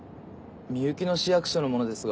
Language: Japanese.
みゆきの市役所の者ですが。